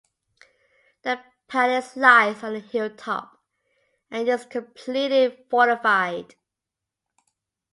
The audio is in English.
The palace lies on the hilltop and is completely fortified.